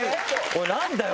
「おい何だよ？」